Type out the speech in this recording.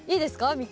見て。